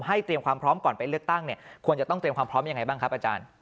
เตรียมความพร้อมก่อนไปเลือกตั้งเนี่ยควรจะต้องเตรียมความพร้อมยังไงบ้างครับอาจารย์